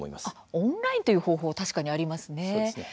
オンラインという方法は確かにありますね。